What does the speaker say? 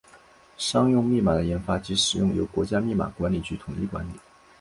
商用密码的研发及使用由国家密码管理局统一管理。